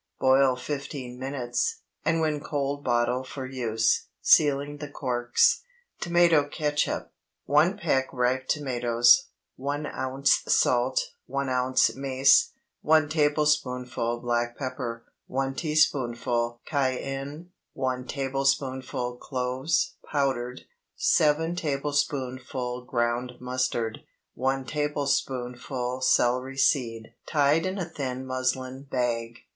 Boil fifteen minutes, and when cold bottle for use, sealing the corks. TOMATO CATSUP. ✠ 1 peck ripe tomatoes. 1 ounce salt. 1 ounce mace. 1 tablespoonful black pepper. 1 teaspoonful cayenne. 1 tablespoonful cloves (powdered). 7 tablespoonful ground mustard. 1 tablespoonful celery seed (tied in a thin muslin bag).